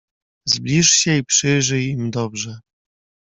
"Zbliż się i przyjrzyj im dobrze!"